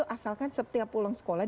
asalkan setiap pulang sekolah